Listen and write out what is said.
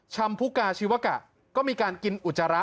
ผู้กาชีวกะก็มีการกินอุจจาระ